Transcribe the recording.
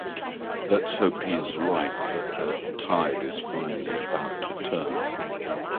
Let’s hope he is right that the tide is finally about to turn.